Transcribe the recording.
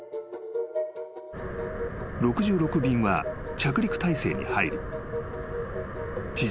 ［６６便は着陸態勢に入り地上